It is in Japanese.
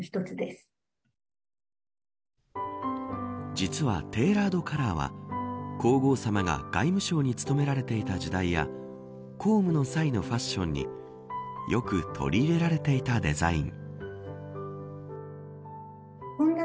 実は、テーラードカラーは皇后さまが外務省に勤められていた時代や公務の際のファッションによく取り入れられていたデザイン。